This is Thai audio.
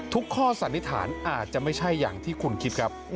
ข้อสันนิษฐานอาจจะไม่ใช่อย่างที่คุณคิดครับ